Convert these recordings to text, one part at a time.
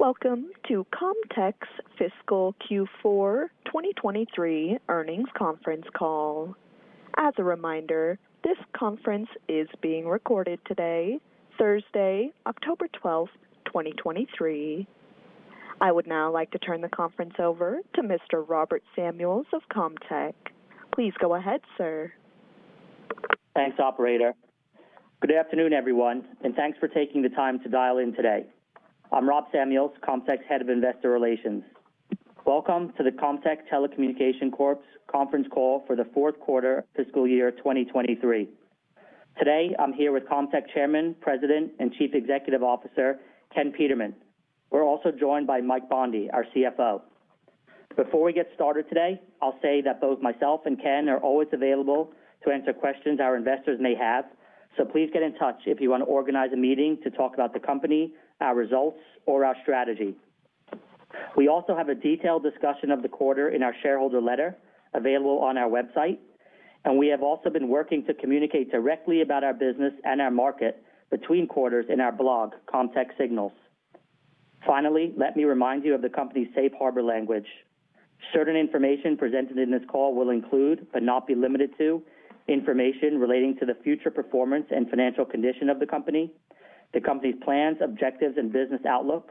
Welcome to Comtech's Fiscal Q4 2023 earnings conference call. As a reminder, this conference is being recorded today, Thursday, October 12, 2023. I would now like to turn the conference over to Mr. Robert Samuels of Comtech. Please go ahead, sir. Thanks, operator. Good afternoon, everyone, and thanks for taking the time to dial in today. I'm Rob Samuels, Comtech's Head of Investor Relations. Welcome to the Comtech Telecommunications Corp.'s conference call for the fourth quarter fiscal year 2023. Today, I'm here with Comtech Chairman, President, and Chief Executive Officer, Ken Peterman. We're also joined by Mike Bondi, our CFO. Before we get started today, I'll say that both myself and Ken are always available to answer questions our investors may have, so please get in touch if you want to organize a meeting to talk about the company, our results, or our strategy. We also have a detailed discussion of the quarter in our shareholder letter available on our website, and we have also been working to communicate directly about our business and our market between quarters in our blog, Comtech Signals. Finally, let me remind you of the company's safe harbor language. Certain information presented in this call will include, but not be limited to, information relating to the future performance and financial condition of the company, the company's plans, objectives, and business outlook,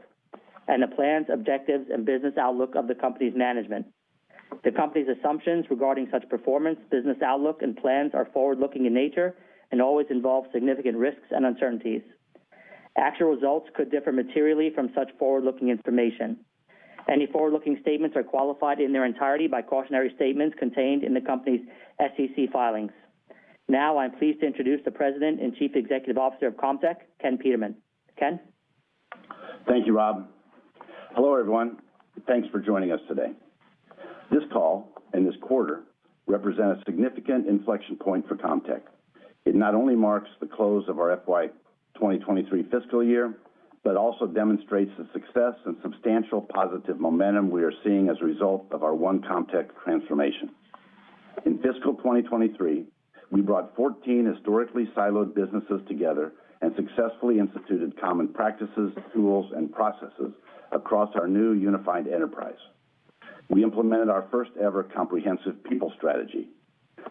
and the plans, objectives, and business outlook of the company's management. The company's assumptions regarding such performance, business outlook, and plans are forward-looking in nature and always involve significant risks and uncertainties. Actual results could differ materially from such forward-looking information. Any forward-looking statements are qualified in their entirety by cautionary statements contained in the company's SEC filings. Now, I'm pleased to introduce the President and Chief Executive Officer of Comtech, Ken Peterman. Ken? Thank you, Rob. Hello, everyone. Thanks for joining us today. This call and this quarter represent a significant inflection point for Comtech. It not only marks the close of our FY 2023 fiscal year, but also demonstrates the success and substantial positive momentum we are seeing as a result of our One Comtech transformation. In fiscal 2023, we brought 14 historically siloed businesses together and successfully instituted common practices, tools, and processes across our new unified enterprise. We implemented our first-ever comprehensive people strategy.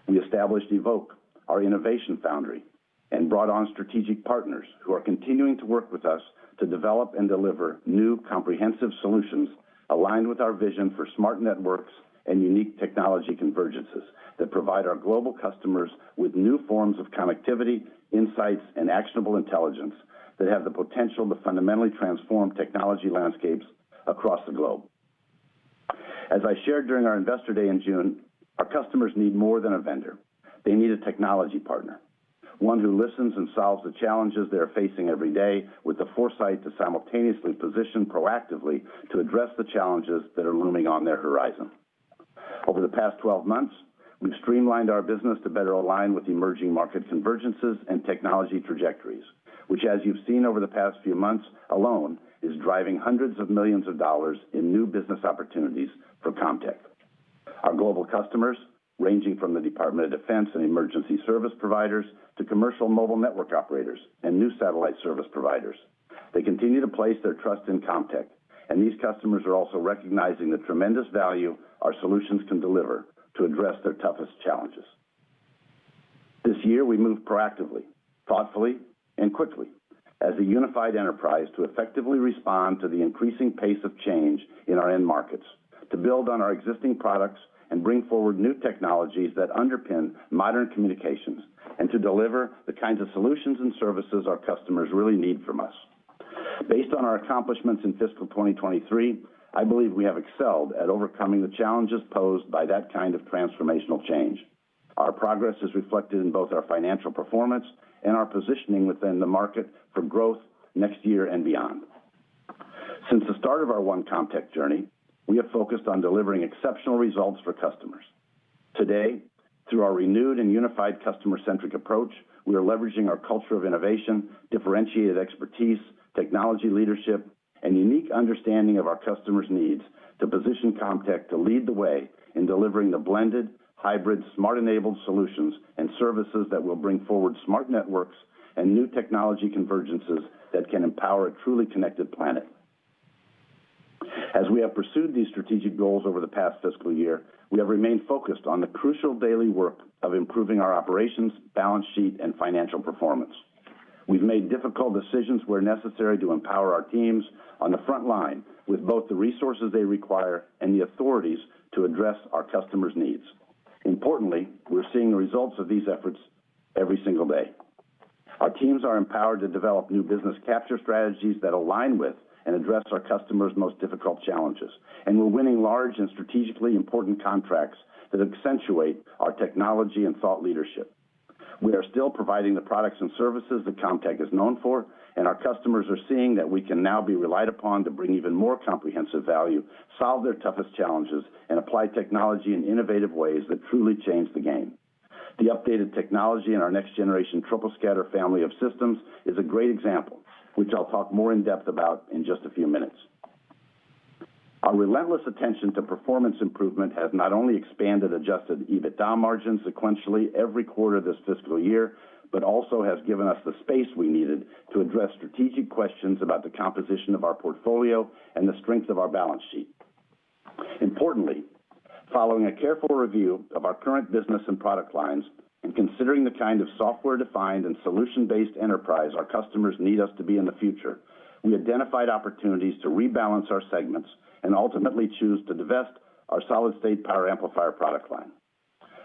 We established Evoke, our innovation foundry, and brought on strategic partners who are continuing to work with us to develop and deliver new comprehensive solutions aligned with our vision for smart networks and unique technology convergences that provide our global customers with new forms of connectivity, insights, and actionable intelligence that have the potential to fundamentally transform technology landscapes across the globe. As I shared during our Investor Day in June, our customers need more than a vendor. They need a technology partner, one who listens and solves the challenges they are facing every day with the foresight to simultaneously position proactively to address the challenges that are looming on their horizon. Over the past 12 months, we've streamlined our business to better align with emerging market convergences and technology trajectories, which, as you've seen over the past few months alone, is driving hundreds of millions of dollars in new business opportunities for Comtech. Our global customers, ranging from the Department of Defense and emergency service providers to commercial mobile network operators and new satellite service providers, they continue to place their trust in Comtech, and these customers are also recognizing the tremendous value our solutions can deliver to address their toughest challenges. This year, we moved proactively, thoughtfully, and quickly as a unified enterprise to effectively respond to the increasing pace of change in our end markets, to build on our existing products and bring forward new technologies that underpin modern communications, and to deliver the kinds of solutions and services our customers really need from us. Based on our accomplishments in fiscal 2023, I believe we have excelled at overcoming the challenges posed by that kind of transformational change. Our progress is reflected in both our financial performance and our positioning within the market for growth next year and beyond. Since the start of our One Comtech journey, we have focused on delivering exceptional results for customers. Today, through our renewed and unified customer-centric approach, we are leveraging our culture of innovation, differentiated expertise, technology leadership, and unique understanding of our customers' needs to position Comtech to lead the way in delivering the blended, hybrid, smart-enabled solutions and services that will bring forward smart networks and new technology convergences that can empower a truly connected planet. As we have pursued these strategic goals over the past fiscal year, we have remained focused on the crucial daily work of improving our operations, balance sheet, and financial performance. We've made difficult decisions where necessary to empower our teams on the front line with both the resources they require and the authorities to address our customers' needs. Importantly, we're seeing the results of these efforts every single day. Our teams are empowered to develop new business capture strategies that align with and address our customers' most difficult challenges, and we're winning large and strategically important contracts that accentuate our technology and thought leadership. We are still providing the products and services that Comtech is known for, and our customers are seeing that we can now be relied upon to bring even more comprehensive value, solve their toughest challenges, and apply technology in innovative ways that truly change the game. The updated technology in our next generation troposcatter family of systems is a great example, which I'll talk more in depth about in just a few minutes. Our relentless attention to performance improvement has not only expanded Adjusted EBITDA margins sequentially every quarter this fiscal year, but also has given us the space we needed to address strategic questions about the composition of our portfolio and the strength of our balance sheet. Importantly, following a careful review of our current business and product lines, and considering the kind of software-defined and solution-based enterprise our customers need us to be in the future, we identified opportunities to rebalance our segments and ultimately choose to divest our solid-state power amplifier product line.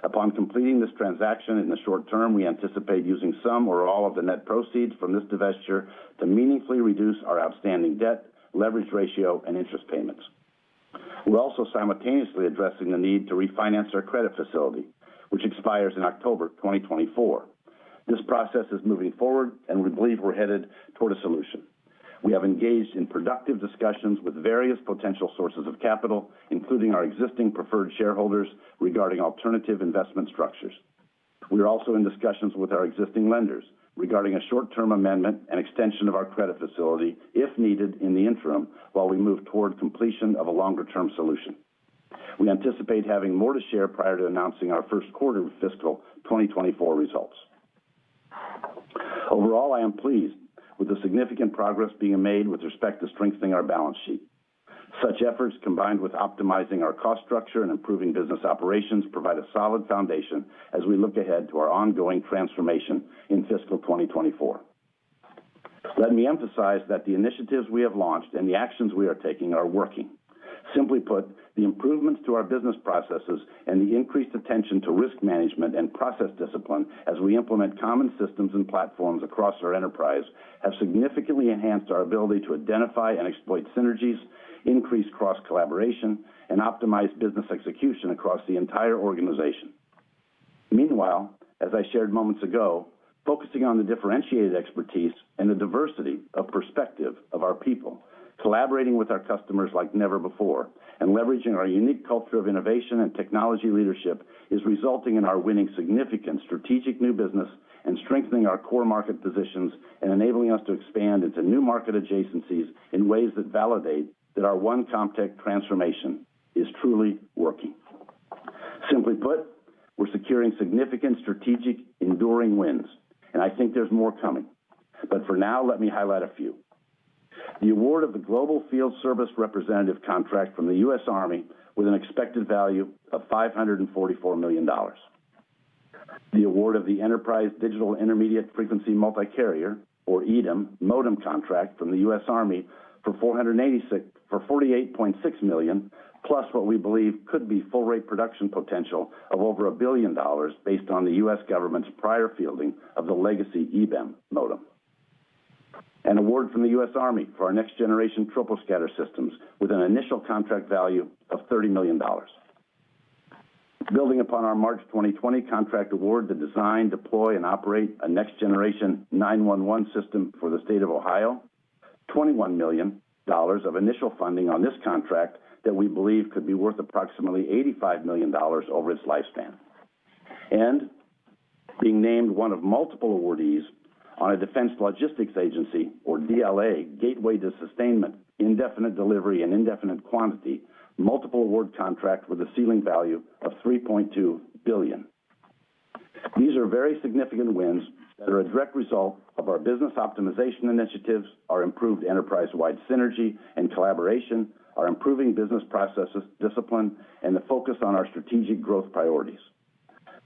Upon completing this transaction in the short term, we anticipate using some or all of the net proceeds from this divestiture to meaningfully reduce our outstanding debt, leverage ratio, and interest payments. We're also simultaneously addressing the need to refinance our credit facility, which expires in October 2024. This process is moving forward, and we believe we're headed toward a solution. We have engaged in productive discussions with various potential sources of capital, including our existing preferred shareholders, regarding alternative investment structures. We are also in discussions with our existing lenders regarding a short-term amendment and extension of our credit facility, if needed in the interim, while we move toward completion of a longer-term solution. We anticipate having more to share prior to announcing our first quarter fiscal 2024 results. Overall, I am pleased with the significant progress being made with respect to strengthening our balance sheet. Such efforts, combined with optimizing our cost structure and improving business operations, provide a solid foundation as we look ahead to our ongoing transformation in fiscal 2024. Let me emphasize that the initiatives we have launched and the actions we are taking are working. Simply put, the improvements to our business processes and the increased attention to risk management and process discipline as we implement common systems and platforms across our enterprise, have significantly enhanced our ability to identify and exploit synergies, increase cross-collaboration, and optimize business execution across the entire organization. Meanwhile, as I shared moments ago, focusing on the differentiated expertise and the diversity of perspective of our people, collaborating with our customers like never before, and leveraging our unique culture of innovation and technology leadership, is resulting in our winning significant strategic new business and strengthening our core market positions, and enabling us to expand into new market adjacencies in ways that validate that our One Comtech transformation is truly working. Simply put, we're securing significant strategic, enduring wins, and I think there's more coming. But for now, let me highlight a few. The award of the Global Field Service Representative contract from the U.S. Army, with an expected value of $544 million. The award of the Enterprise Digital Intermediate Frequency Multi-Carrier, or EDIM, modem contract from the U.S. Army for $48.6 million, plus what we believe could be full rate production potential of over $1 billion, based on the U.S. government's prior fielding of the legacy EBEM modem. An award from the U.S. Army for our Next Generation Troposcatter systems, with an initial contract value of $30 million. Building upon our March 2020 contract award to design, deploy, and operate a Next Generation 9-1-1 system for the state of Ohio, $21 million of initial funding on this contract that we believe could be worth approximately $85 million over its lifespan. Being named one of multiple awardees on a Defense Logistics Agency, or DLA, Gateway to Sustainment, indefinite delivery and indefinite quantity, multiple award contract with a ceiling value of $3.2 billion. These are very significant wins that are a direct result of our business optimization initiatives, our improved enterprise-wide synergy and collaboration, our improving business processes, discipline, and the focus on our strategic growth priorities.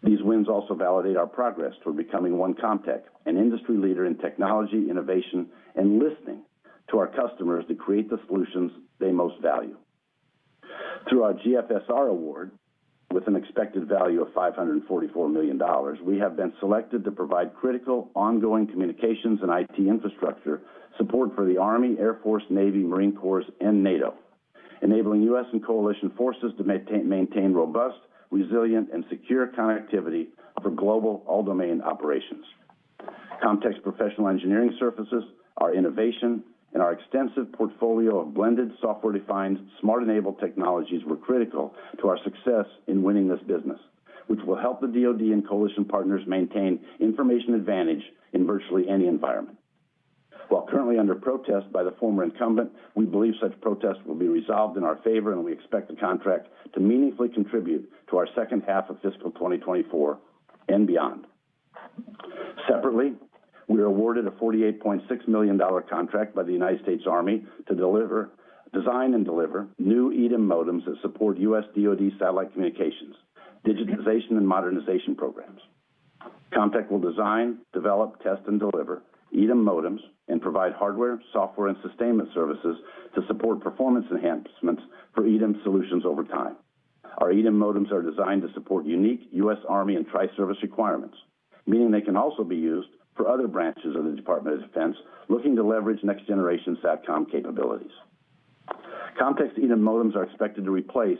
These wins also validate our progress toward becoming One Comtech, an industry leader in technology, innovation, and listening to our customers to create the solutions they most value. Through our GFSR award, with an expected value of $544 million, we have been selected to provide critical, ongoing communications and IT infrastructure support for the Army, Air Force, Navy, Marine Corps, and NATO, enabling U.S. and coalition forces to maintain robust, resilient, and secure connectivity for global all-domain operations. Comtech's professional engineering services, our innovation, and our extensive portfolio of blended, software-defined, smart-enabled technologies were critical to our success in winning this business, which will help the DoD and coalition partners maintain information advantage in virtually any environment. While currently under protest by the former incumbent, we believe such protests will be resolved in our favor, and we expect the contract to meaningfully contribute to our second half of fiscal 2024 and beyond. Separately, we were awarded a $48.6 million contract by the United States Army to design and deliver new EDIM modems that support U.S. DoD satellite communications, digitization, and modernization programs. Comtech will design, develop, test, and deliver EDIM modems and provide hardware, software, and sustainment services to support performance enhancements for EDIM solutions over time. Our EDIM modems are designed to support unique U.S. Army and tri-service requirements, meaning they can also be used for other branches of the Department of Defense looking to leverage next-generation SATCOM capabilities. Comtech's EDIM modems are expected to replace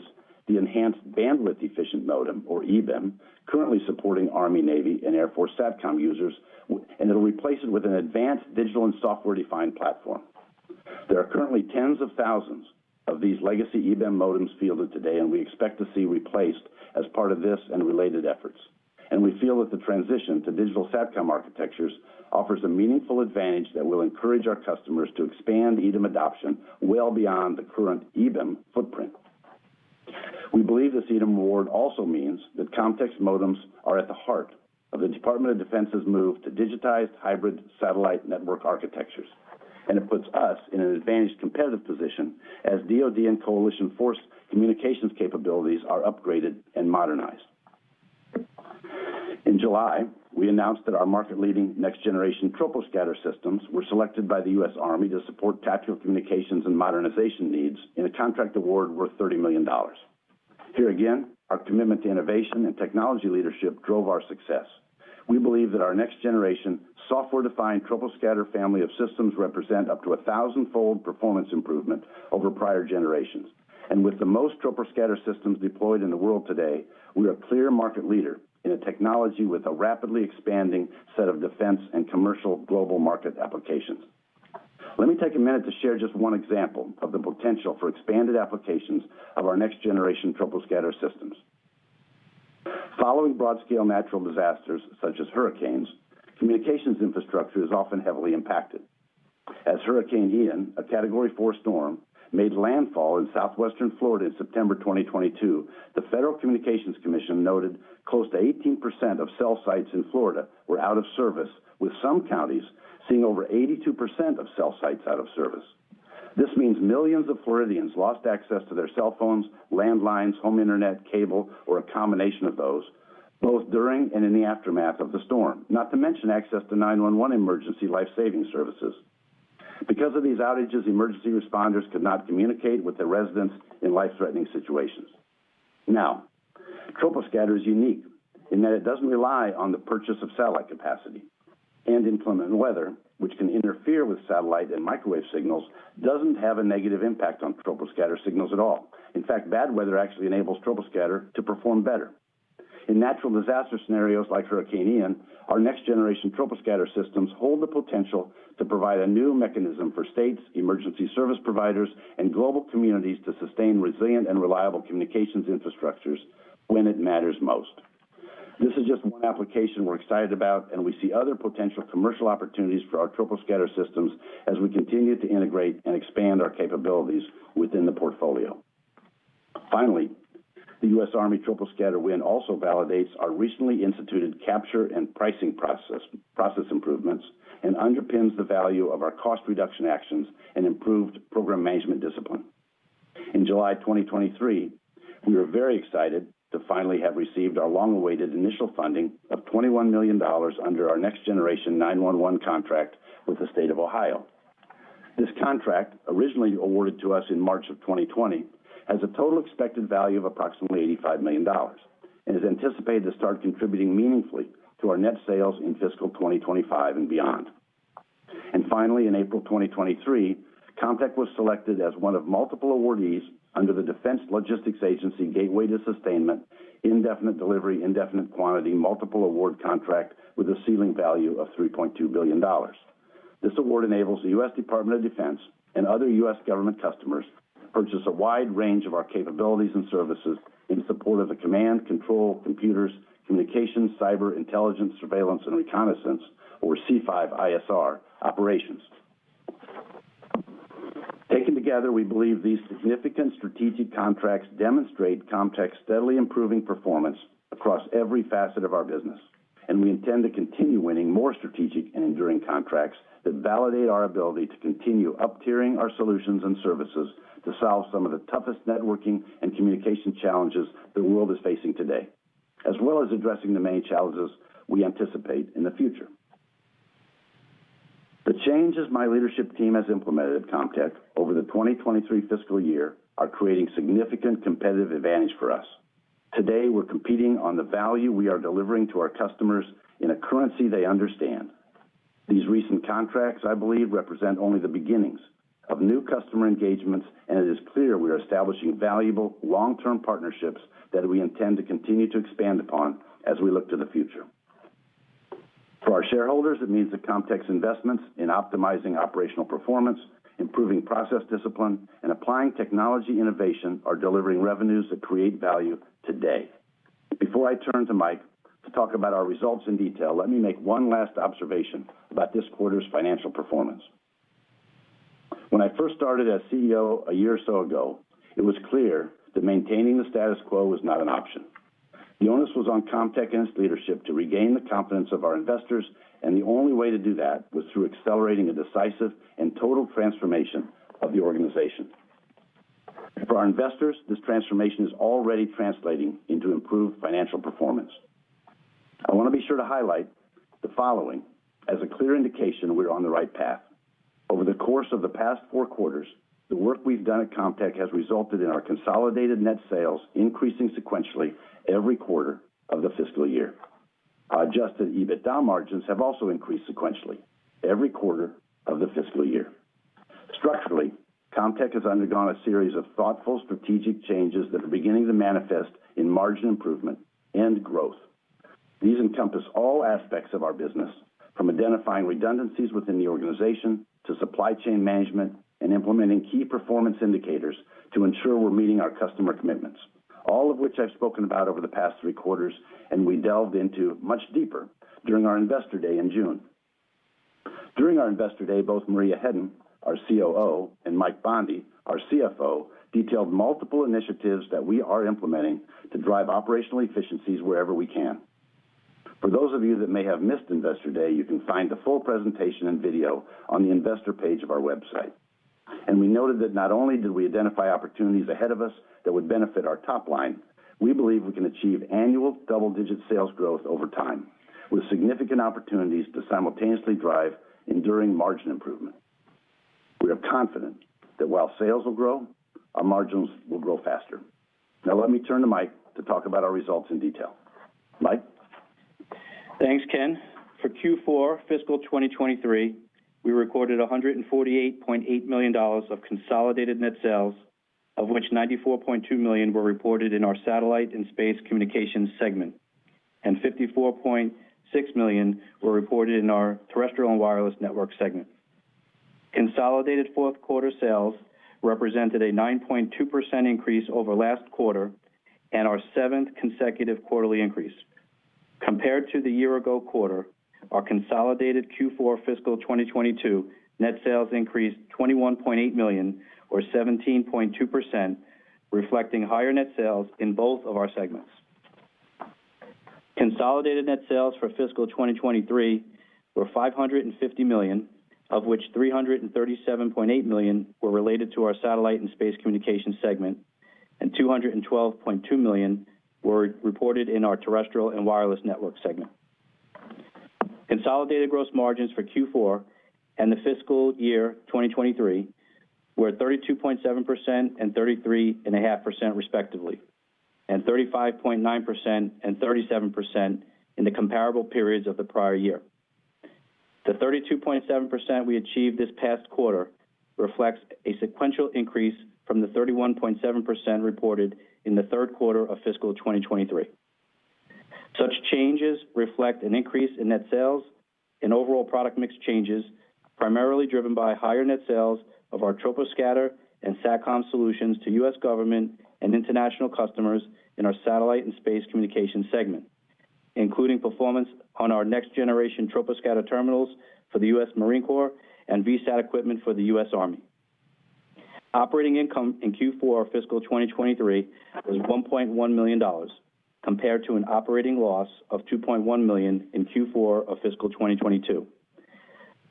the Enhanced Bandwidth Efficient Modem, or EBEM, currently supporting Army, Navy, and Air Force SATCOM users, and it'll replace it with an advanced digital and software-defined platform. There are currently tens of thousands of these legacy EBEM modems fielded today, and we expect to see replaced as part of this and related efforts and we feel that the transition to digital SATCOM architectures offers a meaningful advantage that will encourage our customers to expand EDIM adoption well beyond the current EBEM footprint. We believe this EDIM award also means that Comtech's modems are at the heart of the Department of Defense's move to digitized hybrid satellite network architectures, and it puts us in an advantaged competitive position as DoD and coalition force communications capabilities are upgraded and modernized. In July, we announced that our market-leading Next Generation Troposcatter systems were selected by the U.S. Army to support tactical communications and modernization needs in a contract award worth $30 million. Here again, our commitment to innovation and technology leadership drove our success. We believe that our next-generation software-defined Troposcatter family of systems represent up to a thousand-fold performance improvement over prior generations, and with the most Troposcatter systems deployed in the world today, we are a clear market leader in a technology with a rapidly expanding set of defense and commercial global market applications. Let me take a minute to share just one example of the potential for expanded applications of our next-generation Troposcatter systems. Following broad-scale natural disasters, such as hurricanes, communications infrastructure is often heavily impacted. As Hurricane Ian, a Category 4 storm, made landfall in southwestern Florida in September 2022, the Federal Communications Commission noted close to 18% of cell sites in Florida were out of service, with some counties seeing over 82% of cell sites out of service. This means millions of Floridians lost access to their cell phones, landlines, home internet, cable, or a combination of those, both during and in the aftermath of the storm, not to mention access to 911 emergency life-saving services. Because of these outages, emergency responders could not communicate with the residents in life-threatening situations. Now, Troposcatter is unique in that it doesn't rely on the purchase of satellite capacity and inclement weather, which can interfere with satellite and microwave signals, doesn't have a negative impact on Troposcatter signals at all. In fact, bad weather actually enables Troposcatter to perform better. In natural disaster scenarios like Hurricane Ian, our next-generation Troposcatter systems hold the potential to provide a new mechanism for states, emergency service providers, and global communities to sustain resilient and reliable communications infrastructures when it matters most. This is just one application we're excited about, and we see other potential commercial opportunities for our Troposcatter systems as we continue to integrate and expand our capabilities within the portfolio. Finally, the U.S. Army Troposcatter win also validates our recently instituted capture and pricing process, process improvements, and underpins the value of our cost reduction actions and improved program management discipline. In July 2023, we were very excited to finally have received our long-awaited initial funding of $21 million under our Next-Generation 9-1-1 contract with the state of Ohio. This contract, originally awarded to us in March of 2020, has a total expected value of approximately $85 million and is anticipated to start contributing meaningfully to our net sales in fiscal 2025 and beyond. Finally, in April 2023, Comtech was selected as one of multiple awardees under the Defense Logistics Agency Gateway to Sustainment, indefinite delivery, indefinite quantity, multiple award contract with a ceiling value of $3.2 billion. This award enables the U.S. Department of Defense and other U.S. government customers to purchase a wide range of our capabilities and services in support of the command, control, computers, communications, cyber, intelligence, surveillance, and reconnaissance, or C5ISR, operations. Taken together, we believe these significant strategic contracts demonstrate Comtech's steadily improving performance across every facet of our business, and we intend to continue winning more strategic and enduring contracts that validate our ability to continue up-tiering our solutions and services to solve some of the toughest networking and communication challenges the world is facing today, as well as addressing the many challenges we anticipate in the future. The changes my leadership team has implemented at Comtech over the 2023 fiscal year are creating significant competitive advantage for us. Today, we're competing on the value we are delivering to our customers in a currency they understand. These recent contracts, I believe, represent only the beginnings of new customer engagements, and it is clear we are establishing valuable long-term partnerships that we intend to continue to expand upon as we look to the future. For our shareholders, it means that Comtech's investments in optimizing operational performance, improving process discipline, and applying technology innovation are delivering revenues that create value today. Before I turn to Mike to talk about our results in detail, let me make one last observation about this quarter's financial performance. When I first started as CEO a year or so ago, it was clear that maintaining the status quo was not an option. The onus was on Comtech and its leadership to regain the confidence of our investors, and the only way to do that was through accelerating a decisive and total transformation of the organization. For our investors, this transformation is already translating into improved financial performance. I want to be sure to highlight the following as a clear indication we're on the right path. Over the course of the past four quarters, the work we've done at Comtech has resulted in our consolidated net sales increasing sequentially every quarter of the fiscal year. Our Adjusted EBITDA margins have also increased sequentially every quarter of the fiscal year. Structurally, Comtech has undergone a series of thoughtful, strategic changes that are beginning to manifest in margin improvement and growth. These encompass all aspects of our business, from identifying redundancies within the organization to supply chain management and implementing key performance indicators to ensure we're meeting our customer commitments, all of which I've spoken about over the past three quarters, and we delved into much deeper during our Investor Day in June. During our Investor Day, both Maria Hedden, our COO, and Mike Bondi, our CFO, detailed multiple initiatives that we are implementing to drive operational efficiencies wherever we can. For those of you that may have missed Investor Day, you can find the full presentation and video on the investor page of our website. We noted that not only do we identify opportunities ahead of us that would benefit our top line, we believe we can achieve annual double-digit sales growth over time, with significant opportunities to simultaneously drive enduring margin improvement. We are confident that while sales will grow, our margins will grow faster. Now, let me turn to Mike to talk about our results in detail. Mike? Thanks, Ken. For Q4 fiscal 2023, we recorded $148.8 million of consolidated net sales, of which $94.2 million were reported in our Satellite and Space Communications segment, and $54.6 million were reported in our Terrestrial and Wireless Networks segment. Consolidated fourth quarter sales represented a 9.2% increase over last quarter and our seventh consecutive quarterly increase. Compared to the year-ago quarter, our consolidated Q4 fiscal 2022 net sales increased $21.8 million, or 17.2%, reflecting higher net sales in both of our segments. Consolidated net sales for fiscal 2023 were $550 million, of which $337.8 million were related to our Satellite and Space Communications segment, and $212.2 million were reported in our Terrestrial and Wireless Networks segment. Consolidated gross margins for Q4 and the fiscal year 2023 were 32.7% and 33.5%, respectively, and 35.9% and 37% in the comparable periods of the prior year. The 32.7% we achieved this past quarter reflects a sequential increase from the 31.7% reported in the third quarter of fiscal 2023. Such changes reflect an increase in net sales and overall product mix changes, primarily driven by higher net sales of our Troposcatter and SATCOM solutions to U.S. government and international customers in our satellite and space communications segment, including performance on our next-generation Troposcatter terminals for the U.S. Marine Corps and VSAT equipment for the U.S. Army. Operating income in Q4 fiscal 2023 was $1.1 million, compared to an operating loss of $2.1 million in Q4 of fiscal 2022.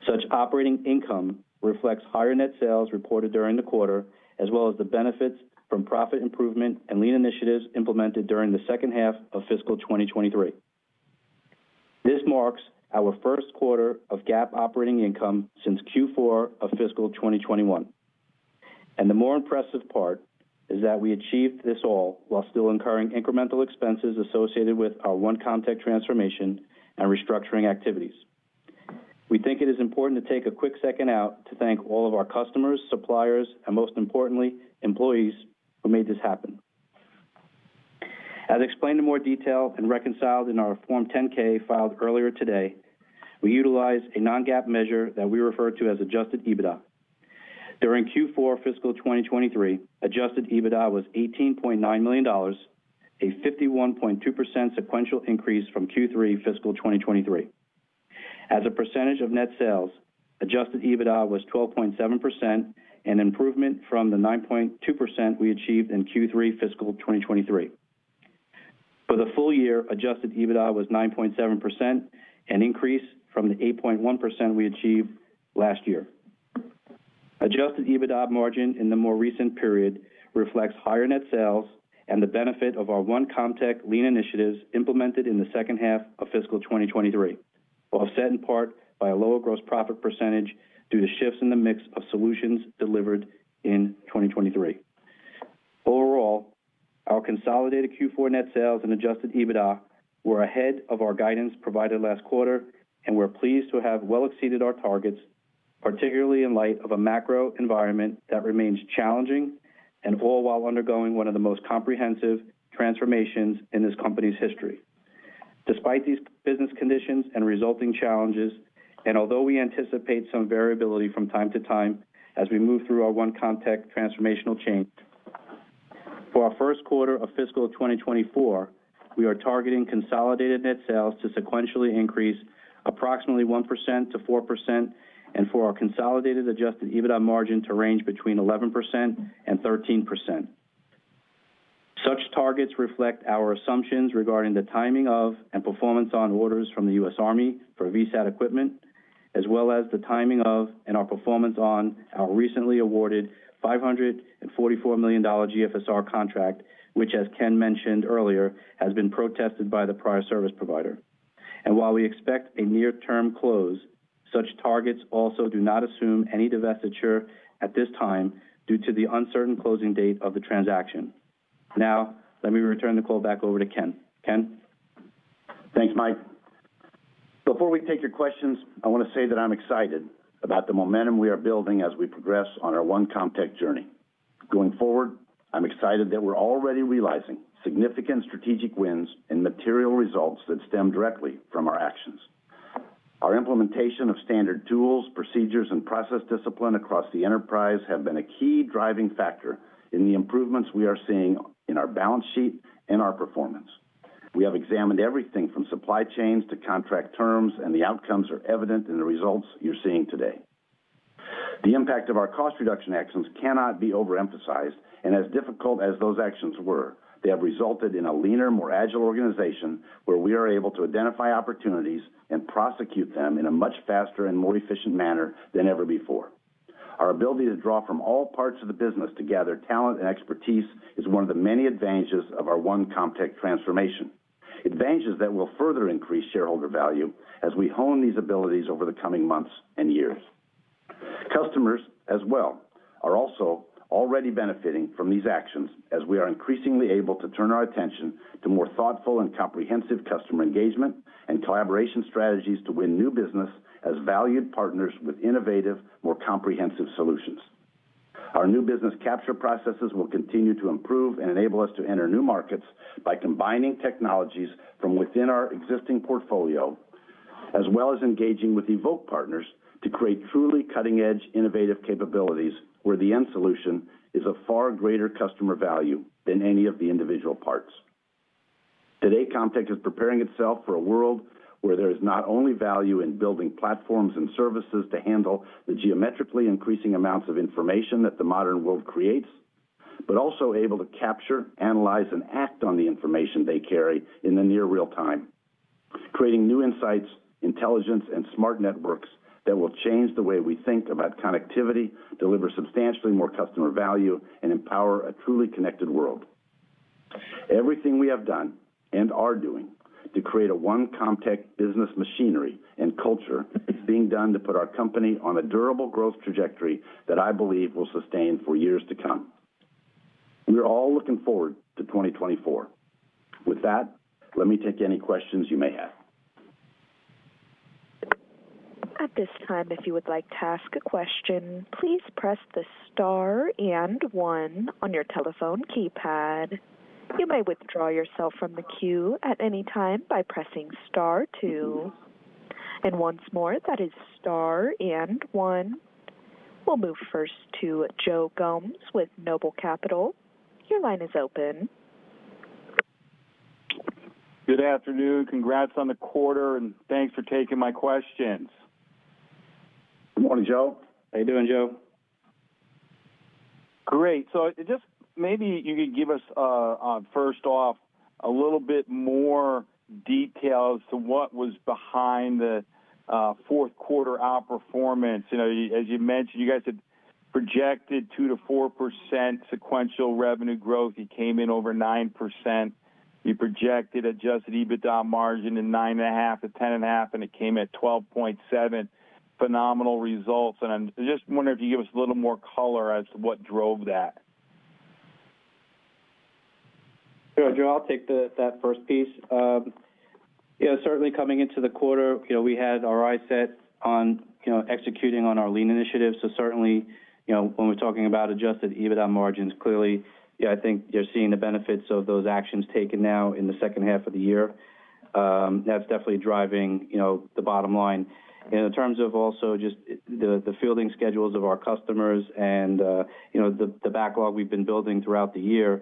Such operating income reflects higher net sales reported during the quarter, as well as the benefits from profit improvement and lean initiatives implemented during the second half of fiscal 2023. This marks our first quarter of GAAP operating income since Q4 of fiscal 2021. The more impressive part is that we achieved this all while still incurring incremental expenses associated with our One Comtech transformation and restructuring activities. We think it is important to take a quick second out to thank all of our customers, suppliers, and most importantly, employees who made this happen. As explained in more detail and reconciled in our Form 10-K filed earlier today, we utilize a non-GAAP measure that we refer to as Adjusted EBITDA. During Q4 fiscal 2023, Adjusted EBITDA was $18.9 million, a 51.2% sequential increase from Q3 fiscal 2023. As a percentage of net sales, Adjusted EBITDA was 12.7%, an improvement from the 9.2% we achieved in Q3 fiscal 2023. For the full year, Adjusted EBITDA was 9.7%, an increase from the 8.1% we achieved last year. Adjusted EBITDA margin in the more recent period reflects higher net sales and the benefit of our One Comtech lean initiatives implemented in the second half of fiscal 2023, offset in part by a lower gross profit percentage due to shifts in the mix of solutions delivered in 2023. Overall, our consolidated Q4 net sales and adjusted EBITDA were ahead of our guidance provided last quarter, and we're pleased to have well exceeded our targets, particularly in light of a macro environment that remains challenging and all while undergoing one of the most comprehensive transformations in this company's history. Despite these business conditions and resulting challenges, and although we anticipate some variability from time to time as we move through our One Comtech transformational change, for our first quarter of fiscal 2024, we are targeting consolidated net sales to sequentially increase approximately 1%-4%, and for our consolidated Adjusted EBITDA margin to range between 11%-13%. Such targets reflect our assumptions regarding the timing of and performance on orders from the U.S. Army for VSAT equipment, as well as the timing of and our performance on our recently awarded $544 million GFSR contract, which, as Ken mentioned earlier, has been protested by the prior service provider. While we expect a near-term close, such targets also do not assume any divestiture at this time due to the uncertain closing date of the transaction. Now, let me return the call back over to Ken. Ken? Thanks, Mike. Before we take your questions, I want to say that I'm excited about the momentum we are building as we progress on our One Comtech journey. Going forward, I'm excited that we're already realizing significant strategic wins and material results that stem directly from our actions. Our implementation of standard tools, procedures, and process discipline across the enterprise have been a key driving factor in the improvements we are seeing in our balance sheet and our performance. We have examined everything from supply chains to contract terms, and the outcomes are evident in the results you're seeing today. The impact of our cost reduction actions cannot be overemphasized, and as difficult as those actions were, they have resulted in a leaner, more agile organization where we are able to identify opportunities and prosecute them in a much faster and more efficient manner than ever before. Our ability to draw from all parts of the business to gather talent and expertise is one of the many advantages of our One Comtech transformation, advantages that will further increase shareholder value as we hone these abilities over the coming months and years. Customers as well are also already benefiting from these actions, as we are increasingly able to turn our attention to more thoughtful and comprehensive customer engagement and collaboration strategies to win new business as valued partners with innovative, more comprehensive solutions. Our new business capture processes will continue to improve and enable us to enter new markets by combining technologies from within our existing portfolio, as well as engaging with Evoke partners to create truly cutting-edge, innovative capabilities, where the end solution is of far greater customer value than any of the individual parts. Today, Comtech is preparing itself for a world where there is not only value in building platforms and services to handle the geometrically increasing amounts of information that the modern world creates, but also able to capture, analyze, and act on the information they carry in the near real time, creating new insights, intelligence, and smart networks that will change the way we think about connectivity, deliver substantially more customer value, and empower a truly connected world. Everything we have done and are doing to create a One Comtech business machinery and culture is being done to put our company on a durable growth trajectory that I believe will sustain for years to come. We are all looking forward to 2024. With that, let me take any questions you may have. At this time, if you would like to ask a question, please press the star and one on your telephone keypad. You may withdraw yourself from the queue at any time by pressing star two. And once more, that is star and one. We'll move first to Joe Gomes with Noble Capital. Your line is open. Good afternoon. Congrats on the quarter, and thanks for taking my questions. Good morning Joe. How are you doing, Joe? Great. So just maybe you could give us, first off, a little bit more details to what was behind the fourth quarter outperformance. You know, as you mentioned, you guys had projected 2%-4% sequential revenue growth. You came in over 9%. You projected Adjusted EBITDA margin in 9.5%-10.5%, and it came at 12.7%. Phenomenal results, and I'm just wondering if you could give us a little more color as to what drove that. Sure, Joe, I'll take that first piece. Yeah, certainly coming into the quarter, you know, we had our eyes set on, you know, executing on our lean initiatives. So certainly, you know, when we're talking about Adjusted EBITDA margins, clearly, yeah, I think you're seeing the benefits of those actions taken now in the second half of the year. That's definitely driving, you know, the bottom line. In terms of also just the fielding schedules of our customers and, you know, the backlog we've been building throughout the year,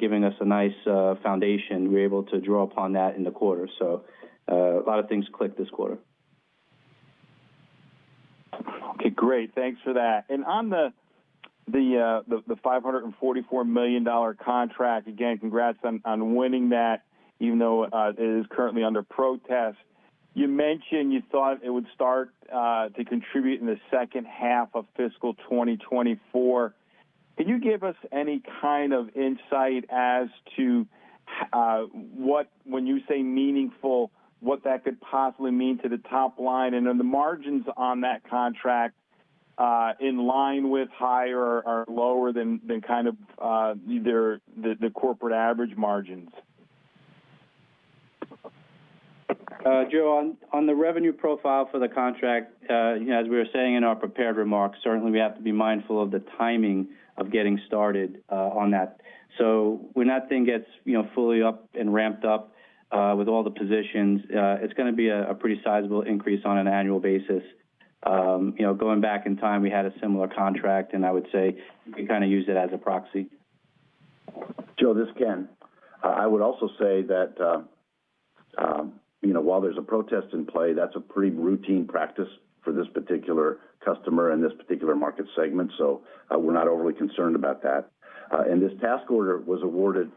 giving us a nice foundation, we're able to draw upon that in the quarter. So, a lot of things clicked this quarter. Okay, great. Thanks for that. On the $544 million contract, again, congrats on winning that, even though it is currently under protest. You mentioned you thought it would start to contribute in the second half of fiscal 2024. Can you give us any kind of insight as to what when you say meaningful, what that could possibly mean to the top line? And then the margins on that contract, in line with, higher or lower than, kind of, their, the corporate average margins? Joe, on the revenue profile for the contract, as we were saying in our prepared remarks, certainly we have to be mindful of the timing of getting started on that. So when that thing gets, you know, fully up and ramped up with all the positions, it's going to be a pretty sizable increase on an annual basis. You know, going back in time, we had a similar contract, and I would say you can kind of use it as a proxy. Joe, this is Ken. I would also say that, you know, while there's a protest in play, that's a pretty routine practice for this particular customer in this particular market segment, so, we're not overly concerned about that. This task order was awarded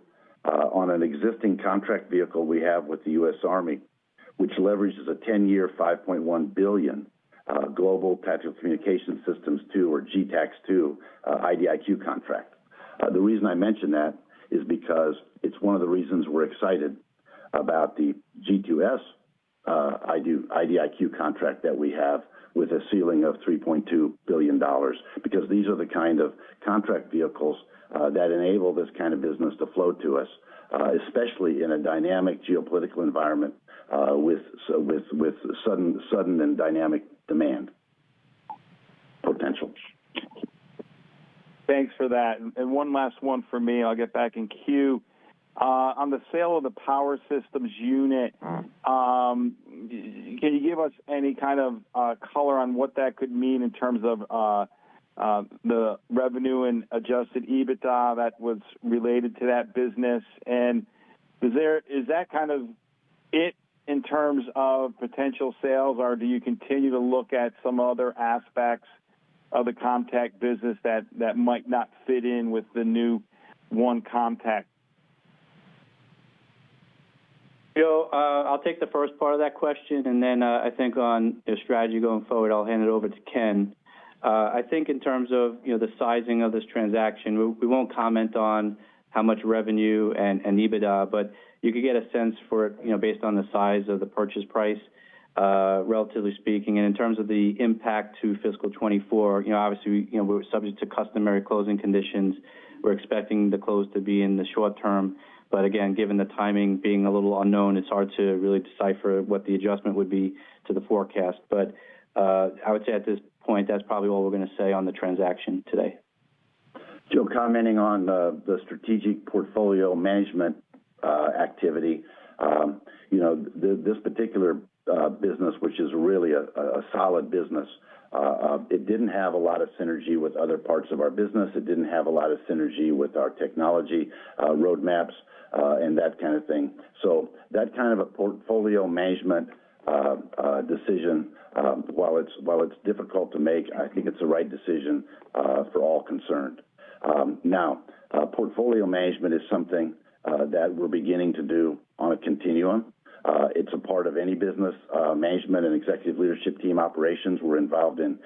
on an existing contract vehicle we have with the U.S. Army, which leverages a ten-year, $5.1 billion Global Tactical Communication Systems two or GTACS II IDIQ contract. The reason I mention that is because it's one of the reasons we're excited about the G2S IDIQ contract that we have with a ceiling of $3.2 billion, because these are the kind of contract vehicles that enable this kind of business to flow to us, especially in a dynamic geopolitical environment with sudden and dynamic demand potentials. Thanks for that. And one last one for me, I'll get back in queue. On the sale of the power systems unit, can you give us any kind of color on what that could mean in terms of the revenue and Adjusted EBITDA that was related to that business. And is that kind of it in terms of potential sales, or do you continue to look at some other aspects of the Comtech business that might not fit in with the new One Comtech? Joe, I'll take the first part of that question, and then, I think on the strategy going forward, I'll hand it over to Ken. I think in terms of, you know, the sizing of this transaction, we, we won't comment on how much revenue and, and EBITDA, but you could get a sense for it, you know, based on the size of the purchase price, relatively speaking. And in terms of the impact to fiscal 2024, you know, obviously, we, you know, we're subject to customary closing conditions. We're expecting the close to be in the short term. But again, given the timing being a little unknown, it's hard to really decipher what the adjustment would be to the forecast. But, I would say at this point, that's probably all we're going to say on the transaction today. Joe, commenting on the strategic portfolio management activity. You know, this particular business, which is really a solid business, it didn't have a lot of synergy with other parts of our business. It didn't have a lot of synergy with our technology roadmaps and that kind of thing. So that kind of a portfolio management decision, while it's difficult to make, I think it's the right decision for all concerned. Now, portfolio management is something that we're beginning to do on a continuum. It's a part of any business management and executive leadership team operations. We're involved in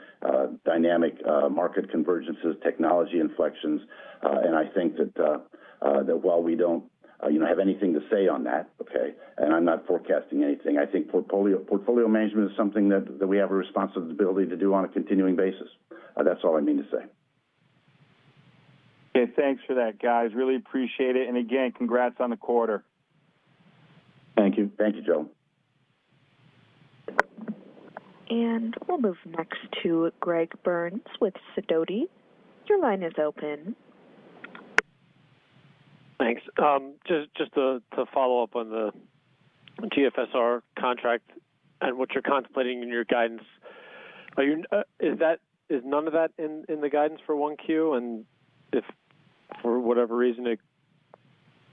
dynamic market convergences, technology inflections, and I think that while we don't, you know, have anything to say on that, okay, and I'm not forecasting anything, I think portfolio management is something that we have a responsibility to do on a continuing basis. That's all I mean to say. Okay. Thanks for that, guys. Really appreciate it. Again, congrats on the quarter. Thank you. Thank you, Joe. We'll move next to Greg Burns with Sidoti. Your line is open. Thanks. Just to follow up on the GFSR contract and what you're contemplating in your guidance. Are you... is none of that in the guidance for 1Q? And if for whatever reason, it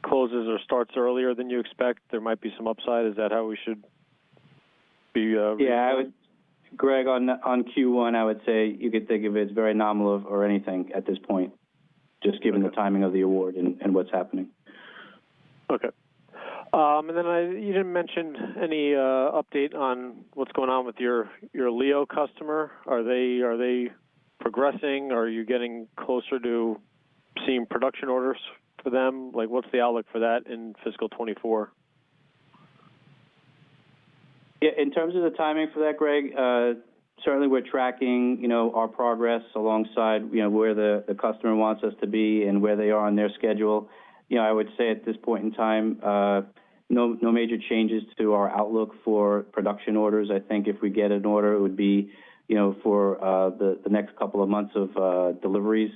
closes or starts earlier than you expect, there might be some upside. Is that how we should be? Yeah. I would Greg, on, on Q1, I would say you could think of it as very nominal or anything at this point, just given the timing of the award and, and what's happening. Okay. And then you didn't mention any update on what's going on with your, your LEO customer. Are they, are they progressing, or are you getting closer to seeing production orders for them? Like, what's the outlook for that in fiscal 2024? Yeah, in terms of the timing for that, Greg, certainly we're tracking, you know, our progress alongside, you know, where the customer wants us to be and where they are on their schedule. You know, I would say at this point in time, no, no major changes to our outlook for production orders. I think if we get an order, it would be, you know, for the next couple of months of deliveries.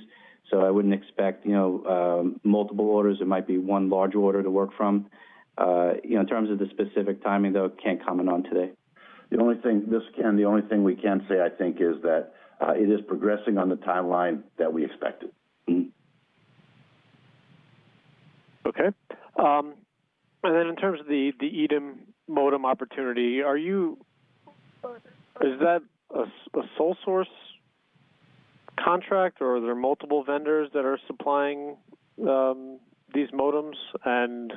So I wouldn't expect, you know, multiple orders. It might be one large order to work from. You know, in terms of the specific timing, though, I can't comment on today. The only thing, this Ken, the only thing we can say, I think, is that it is progressing on the timeline that we expected. Mm-hmm. Okay. And then in terms of the EDIM modem opportunity, is that a sole source contract, or are there multiple vendors that are supplying these modems? And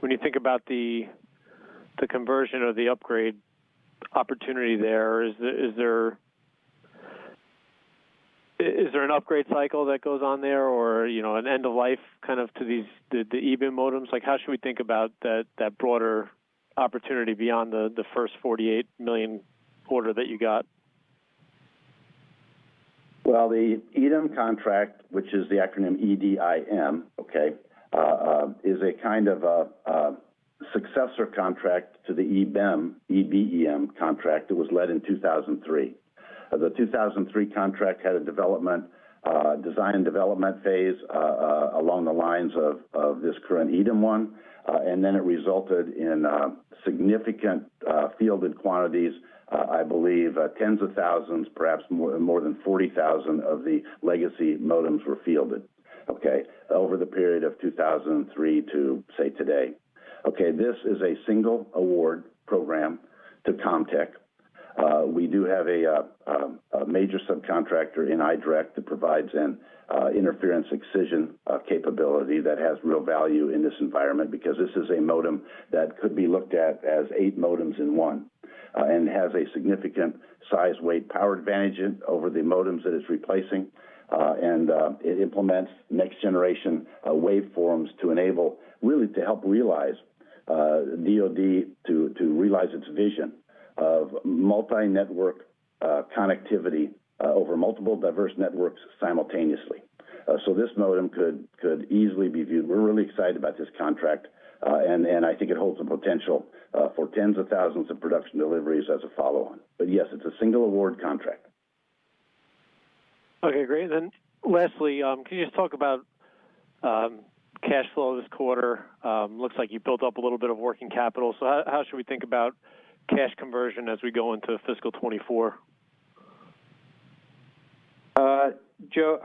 when you think about the conversion or the upgrade opportunity there, is there an upgrade cycle that goes on there, or, you know, an end-of-life kind of to these EBEM modems? Like, how should we think about that broader opportunity beyond the first $48 million order that you got? Well, the EDIM contract, which is the acronym E-D-I-M, is a kind of a successor contract to the EBEM, E-B-E-M contract that was led in 2003. The 2003 contract had a design and development phase, along the lines of this current EDIM one, and then it resulted in significant fielded quantities. I believe tens of thousands, perhaps more, more than 40,000 of the legacy modems were fielded over the period of 2003 to, say, today. This is a single award program to Comtech. We do have a major subcontractor in iDirect that provides interference excision capability that has real value in this environment because this is a modem that could be looked at as eight modems in one, and has a significant size, weight, power advantage over the modems that it's replacing. And it implements next generation waveforms to really help realize DoD to realize its vision of multi-network connectivity over multiple diverse networks simultaneously. So this modem could easily be viewed. We're really excited about this contract, and I think it holds the potential for tens of thousands of production deliveries as a follow-on. But yes, it's a single award contract. Okay, great. Then lastly, can you just talk about cash flow this quarter? Looks like you built up a little bit of working capital. So how should we think about cash conversion as we go into fiscal 2024? Joe,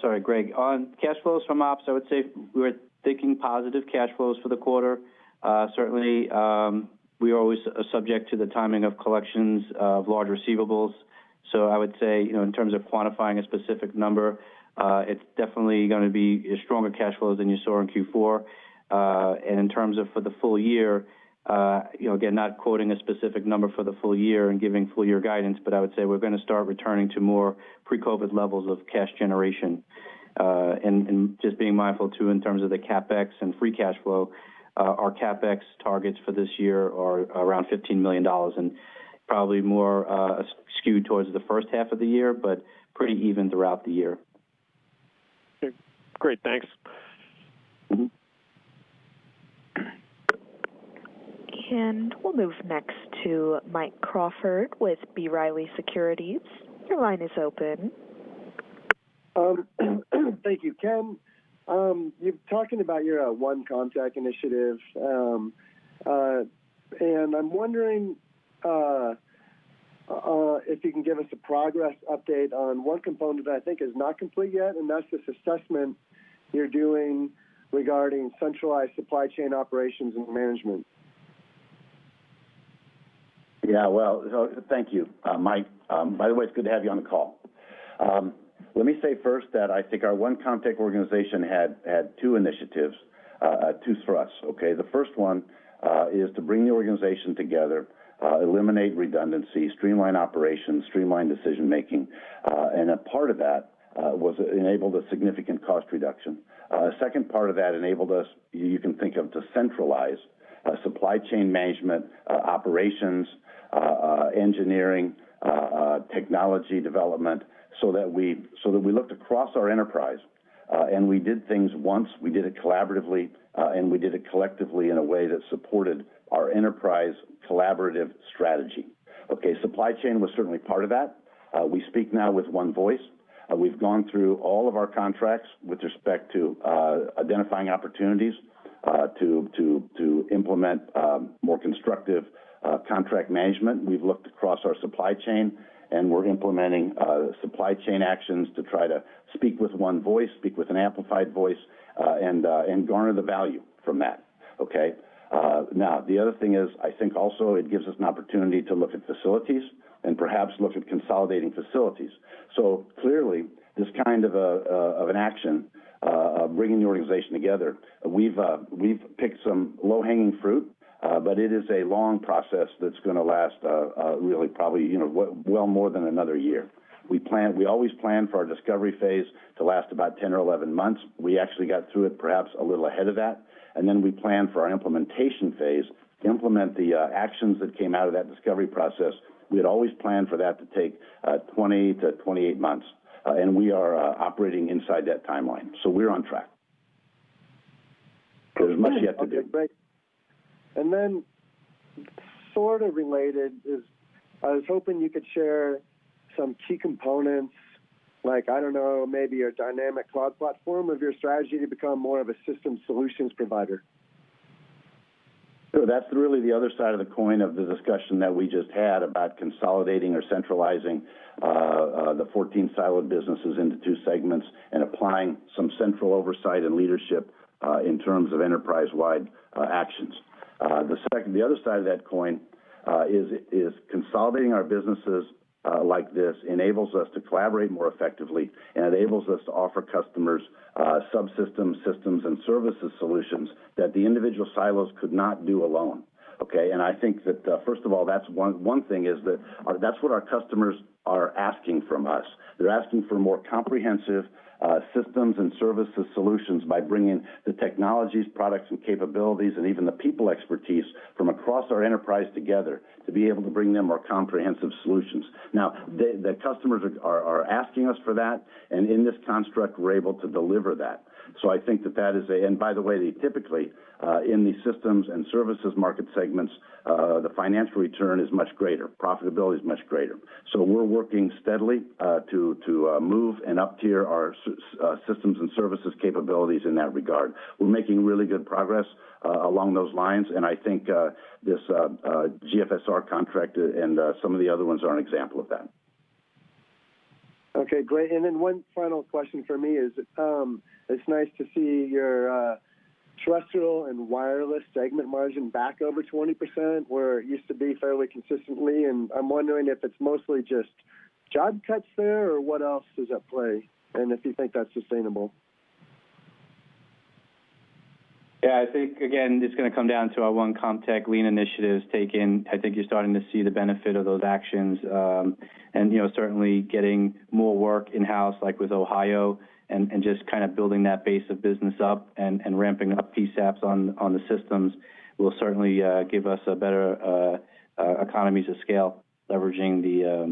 sorry, Greg, on cash flows from ops, I would say we're thinking positive cash flows for the quarter. Certainly, we are always subject to the timing of collections of large receivables. So I would say, you know, in terms of quantifying a specific number, it's definitely gonna be a stronger cash flow than you saw in Q4. And in terms of for the full year, you know, again, not quoting a specific number for the full year and giving full year guidance, but I would say we're gonna start returning to more pre-COVID levels of cash generation. And just being mindful, too, in terms of the CapEx and free cash flow, our CapEx targets for this year are around $15 million and probably more skewed towards the first half of the year, but pretty even throughout the year. Great. Thanks. Mm-hmm. We'll move next to Mike Crawford with B. Riley Securities. Your line is open. Thank you. Ken, you've talking about your One Comtech initiative, and I'm wondering if you can give us a progress update on one component that I think is not complete yet, and that's this assessment you're doing regarding centralized supply chain operations and management. Yeah, well, thank you, Mike. By the way, it's good to have you on the call. Let me say first that I think our One Comtech organization had two initiatives, two thrusts, okay? The first one is to bring the organization together, eliminate redundancies, streamline operations, streamline decision-making, and a part of that was enabled a significant cost reduction. Second part of that enabled us, you can think of, to centralize supply chain management, operations, engineering, technology development, so that we looked across our enterprise and we did things once, we did it collaboratively, and we did it collectively in a way that supported our enterprise collaborative strategy. Okay, supply chain was certainly part of that. We speak now with one voice. We've gone through all of our contracts with respect to identifying opportunities to implement more constructive contract management. We've looked across our supply chain, and we're implementing supply chain actions to try to speak with one voice, speak with an amplified voice, and garner the value from that. Okay, now, the other thing is, I think also it gives us an opportunity to look at facilities and perhaps look at consolidating facilities. So clearly, this kind of an action bringing the organization together, we've picked some low-hanging fruit, but it is a long process that's gonna last really, probably, you know, well, well more than another year. We plan, we always plan for our discovery phase to last about 10 or 11 months. We actually got through it perhaps a little ahead of that, and then we plan for our implementation phase, implement the actions that came out of that discovery process. We had always planned for that to take 20-28 months, and we are operating inside that timeline. So we're on track. There's much yet to do. And then sort of related is, I was hoping you could share some key components, like, I don't know, maybe a dynamic cloud platform of your strategy to become more of a system solutions provider. So that's really the other side of the coin of the discussion that we just had about consolidating or centralizing the 14 siloed businesses into two segments and applying some central oversight and leadership in terms of enterprise-wide actions. The second, the other side of that coin is consolidating our businesses like this enables us to collaborate more effectively and enables us to offer customers subsystems, systems, and services solutions that the individual silos could not do alone, okay? And I think that first of all, that's one thing is that that's what our customers are asking from us. They're asking for more comprehensive systems and services solutions by bringing the technologies, products, and capabilities, and even the people expertise from across our enterprise together, to be able to bring them more comprehensive solutions. Now, the customers are asking us for that, and in this construct, we're able to deliver that. So I think that that is a and by the way, typically, in these systems and services market segments, the financial return is much greater. Profitability is much greater. So we're working steadily, to move and up tier our systems and services capabilities in that regard. We're making really good progress, along those lines, and I think, this GFSR contract and some of the other ones are an example of that. Okay, great. And then one final question for me is, it's nice to see your terrestrial and wireless segment margin back over 20%, where it used to be fairly consistently, and I'm wondering if it's mostly just job cuts there, or what else is at play, and if you think that's sustainable? Yeah, I think, again, it's gonna come down to our One Comtech lean initiatives taken. I think you're starting to see the benefit of those actions, and, you know, certainly getting more work in-house, like with Ohio, and, and just kind of building that base of business up and, and ramping up PSAPs on, on the systems, will certainly give us a better economies of scale, leveraging the,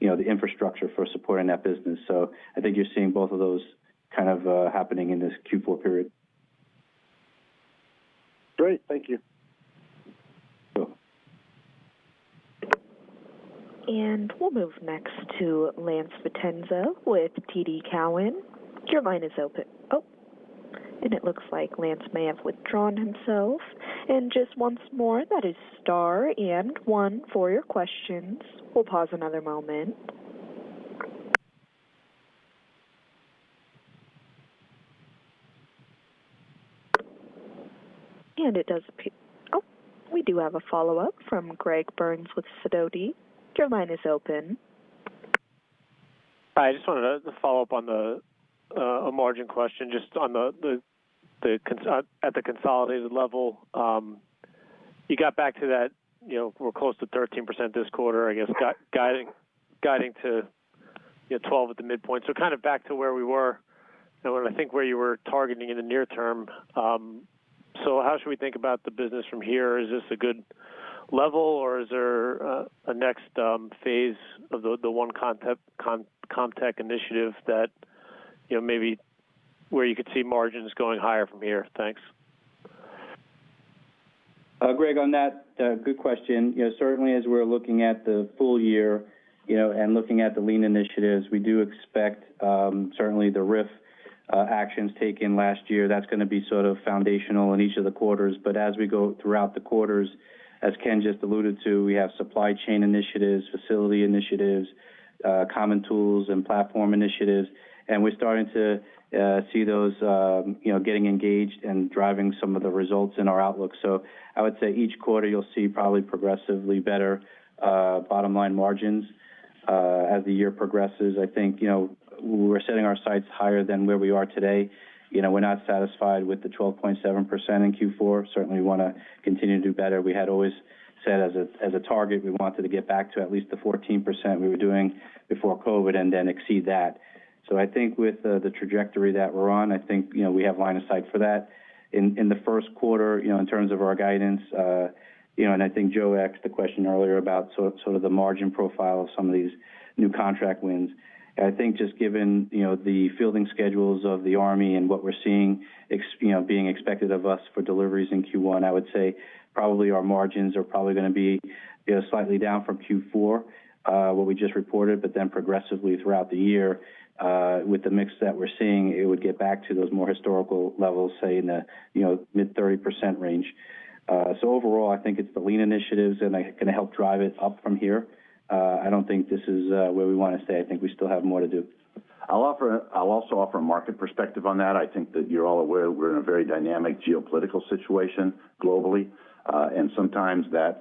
you know, the infrastructure for supporting that business. So I think you're seeing both of those kind of happening in this Q4 period. Great. Thank you. And we'll move next to Lance Vitanza with TD Cowen. Your line is open. Oh, and it looks like Lance may have withdrawn himself. And just once more, that is star and one for your questions. We'll pause another moment. And it does appear. Oh, we do have a follow-up from Greg Burns with Sidoti. Your line is open. Hi, I just wanted to follow up on a margin question, just on the consolidated level. You got back to that, you know, we're close to 13% this quarter, I guess, guiding to, you know, 12% at the midpoint. So kind of back to where we were and what I think where you were targeting in the near term. So how should we think about the business from here? Is this a good level, or is there a next phase of the One Comtech initiative that, you know, maybe where you could see margins going higher from here? Thanks. Greg, on that, good question. You know, certainly as we're looking at the full year, you know, and looking at the lean initiatives, we do expect, certainly the RIF actions taken last year, that's going to be sort of foundational in each of the quarters. But as we go throughout the quarters, as Ken just alluded to, we have supply chain initiatives, facility initiatives, common tools and platform initiatives, and we're starting to see those, you know, getting engaged and driving some of the results in our outlook. So I would say each quarter you'll see probably progressively better bottom line margins. As the year progresses, I think, you know, we're setting our sights higher than where we are today. You know, we're not satisfied with the 12.7% in Q4. Certainly, we want to continue to do better. We had always said as a target, we wanted to get back to at least the 14% we were doing before COVID and then exceed that. So I think with the trajectory that we're on, I think, you know, we have line of sight for that. In the first quarter, you know, in terms of our guidance, you know, and I think Joe asked the question earlier about sort of the margin profile of some of these new contract wins. And I think just given, you know, the fielding schedules of the Army and what we're seeing, you know, being expected of us for deliveries in Q1, I would say probably our margins are probably going to be, you know, slightly down from Q4 what we just reported. But then progressively throughout the year, with the mix that we're seeing, it would get back to those more historical levels, say, in the, you know, mid 30% range. So overall, I think it's the lean initiatives that are going to help drive it up from here. I don't think this is, where we want to stay. I think we still have more to do. I'll also offer a market perspective on that. I think that you're all aware we're in a very dynamic geopolitical situation globally. And sometimes that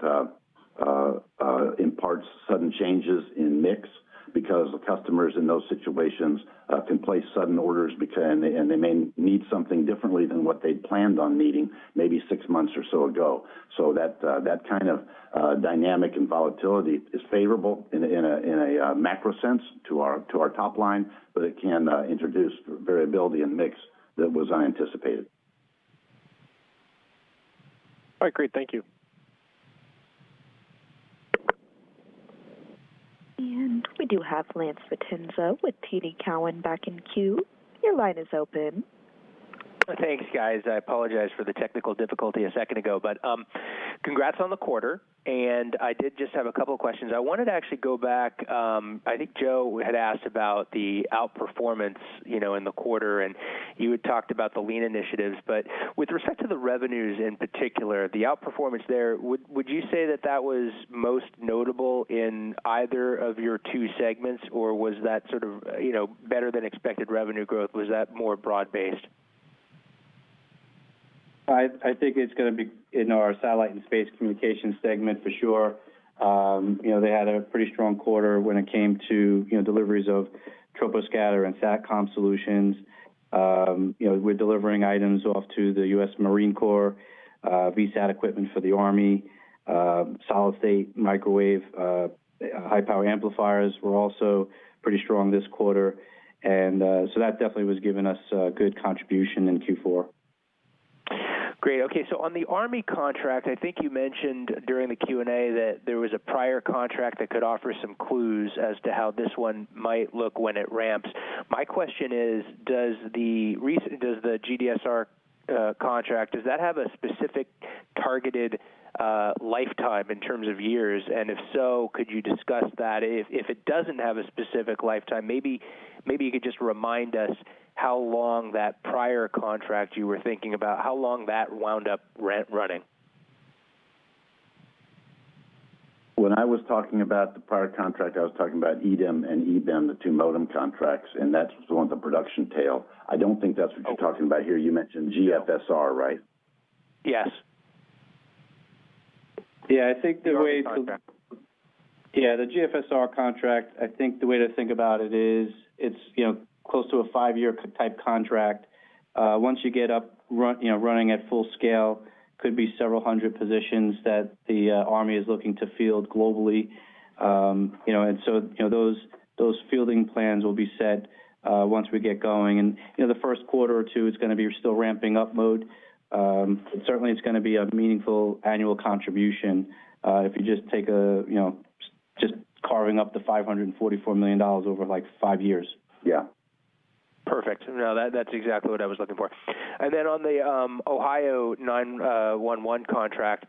imparts sudden changes in mix because the customers in those situations can place sudden orders and they, and they may need something differently than what they'd planned on needing maybe six months or so ago. So that kind of dynamic and volatility is favorable in a macro sense to our top line, but it can introduce variability in mix that was unanticipated. All right, great. Thank you. We do have Lance Vitanza with TD Cowen back in queue. Your line is open. Thanks, guys. I apologize for the technical difficulty a second ago. But, congrats on the quarter, and I did just have a couple of questions. I wanted to actually go back. I think Joe had asked about the outperformance, you know, in the quarter, and you had talked about the lean initiatives. But with respect to the revenues in particular, the outperformance there, would you say that that was most notable in either of your two segments, or was that sort of, you know, better than expected revenue growth, was that more broad-based? I think it's going to be in our satellite and space communications segment for sure. You know, they had a pretty strong quarter when it came to, you know, deliveries of Troposcatter and Satcom solutions. You know, we're delivering items off to the U.S. Marine Corps, VSAT equipment for the Army. Solid-state microwave, high-power amplifiers were also pretty strong this quarter. And, so that definitely was giving us, good contribution in Q4. Great. Okay, so on the Army contract, I think you mentioned during the Q&A that there was a prior contract that could offer some clues as to how this one might look when it ramps. My question is, does the GFSR contract have a specific targeted lifetime in terms of years? And if so, could you discuss that? If, if it doesn't have a specific lifetime, maybe, maybe you could just remind us how long that prior contract you were thinking about wound up running. When I was talking about the prior contract, I was talking about EBEM and EDIM, the two modem contracts, and that's the one with the production tail. I don't think that's what you're talking about here. You mentioned GFSR, right? Yes. Yeah, I think the way to Yeah, the GFSR contract, I think the way to think about it is, it's, you know, close to a five-year type contract. Once you get running at full scale, could be several hundred positions that the Army is looking to field globally. You know, and so, you know, those fielding plans will be set, once we get going. The first quarter or two is going to be still ramping up mode. Certainly, it's going to be a meaningful annual contribution. If you just take a, you know, just carving up the $544 million over, like, five years. Yeah. Perfect. No, that's exactly what I was looking for. And then on the Ohio 9-1-1 contract,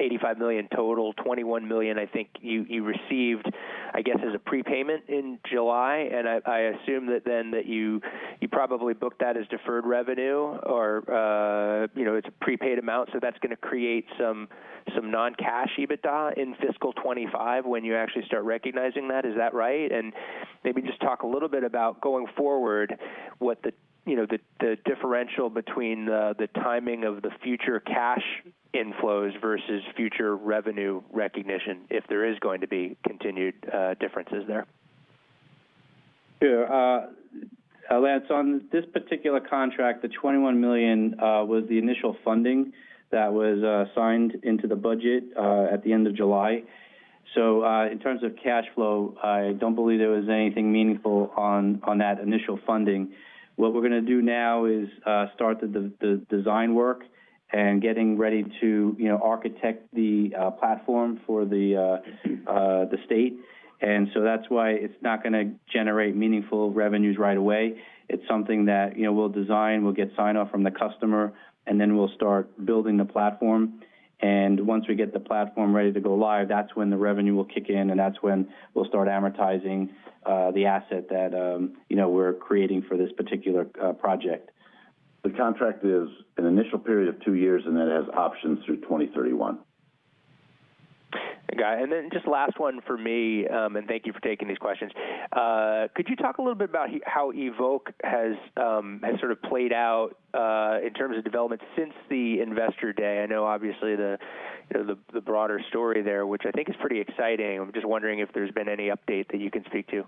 $85 million total, $21 million, I think you received, I guess, as a prepayment in July, and I assume that then that you probably booked that as deferred revenue or, you know, it's a prepaid amount, so that's going to create some non-cash EBITDA in fiscal 2025 when you actually start recognizing that. Is that right? And maybe just talk a little bit about going forward, what the, you know, the differential between the timing of the future cash inflows versus future revenue recognition, if there is going to be continued differences there. Sure. Lance, on this particular contract, the $21 million was the initial funding that was signed into the budget at the end of July. So, in terms of cash flow, I don't believe there was anything meaningful on that initial funding. What we're going to do now is start the design work and getting ready to, you know, architect the platform for the state. And so that's why it's not going to generate meaningful revenues right away. It's something that, you know, we'll design, we'll get sign off from the customer, and then we'll start building the platform. And once we get the platform ready to go live, that's when the revenue will kick in, and that's when we'll start amortizing the asset that, you know, we're creating for this particular project. The contract is an initial period of two years, and then it has options through 2031. Got it. And then just last one for me, and thank you for taking these questions. Could you talk a little bit about how EVOKE has has sort of played out in terms of development since the Investor Day? I know obviously the, you know, the, the broader story there, which I think is pretty exciting. I'm just wondering if there's been any update that you can speak to.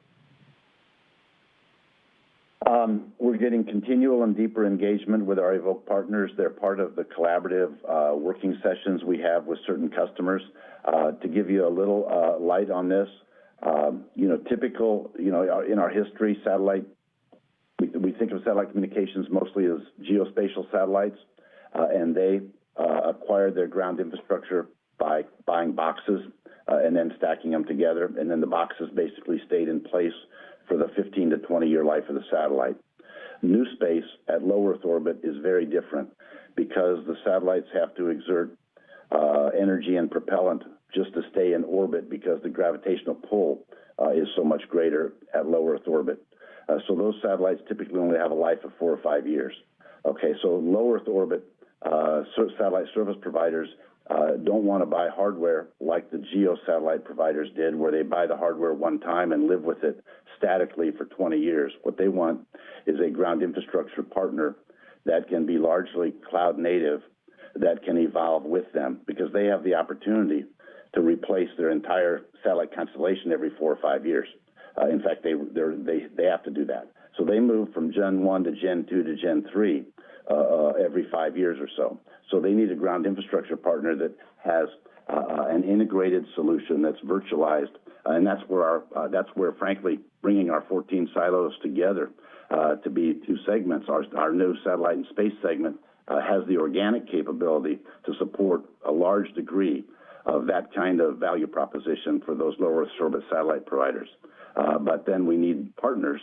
We're getting continual and deeper engagement with our EVOKE partners. They're part of the collaborative working sessions we have with certain customers. To give you a little light on this, you know, typically, you know, in our history, satellite, we think of satellite communications mostly as geospatial satellites, and they acquire their ground infrastructure by buying boxes, and then stacking them together. And then the boxes basically stayed in place for the 15-20 year life of the satellite. New space at Low Earth Orbit is very different because the satellites have to exert energy and propellant just to stay in orbit because the gravitational pull is so much greater at Low Earth Orbit. So those satellites typically only have a life of four or five years. Okay, so Low Earth Orbit satellite service providers don't want to buy hardware like the GEO satellite providers did, where they buy the hardware one time and live with it statically for 20 years. What they want is a ground infrastructure partner that can be largely cloud native, that can evolve with them because they have the opportunity to replace their entire satellite constellation every four or five years. In fact, they have to do that. So they move from gen one to gen two to gen three every five years or so. So they need a ground infrastructure partner that has an integrated solution that's virtualized, and that's where our... that's where, frankly, bringing our 14 silos together to be two segments. Our new Satellite and Space segment has the organic capability to support a large degree of that kind of value proposition for those Low-Earth service satellite providers. But then we need partners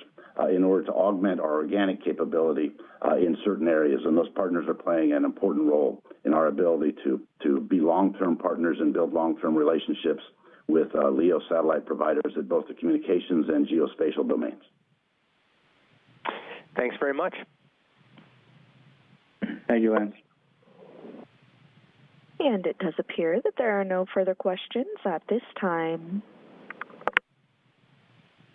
in order to augment our organic capability in certain areas. And those partners are playing an important role in our ability to, to be long-term partners and build long-term relationships with LEO satellite providers in both the communications and geospatial domains. Thanks very much. Thank you, Lance. It does appear that there are no further questions at this time.